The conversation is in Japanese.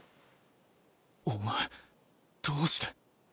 お前どうして。